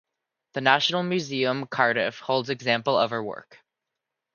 The National Museum Cardiff holds examples of her work.